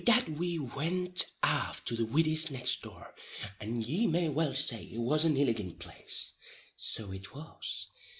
Wid that we wint aff to the widdy's, next door, and ye may well say it was an illigant place; so it was.